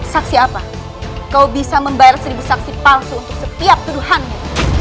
saksi apa kau bisa membayar seribu saksi palsu untuk setiap tuduhannya